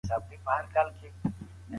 چي پر خپل خالق به ګران یو